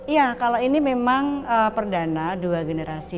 ya kalau ini memang perdana dua generasi